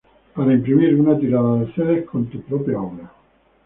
Para imprimir una tirada de cedes con tu propia obra